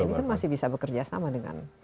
ini kan masih bisa bekerja sama dengan